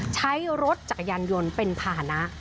ใช้รถจักรยานยนต์เป็นภาษณะ